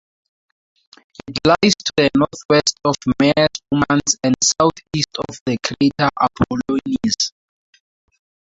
It lies to the northwest of Mare Spumans and southeast of the crater Apollonius.